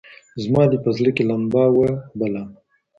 زما دي په زړه کي لمبه وه بله